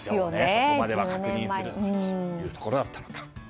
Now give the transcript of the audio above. そこまでは確認せずというところだったのか。